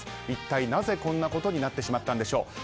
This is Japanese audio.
一体なぜこんなことになってしまったんでしょう。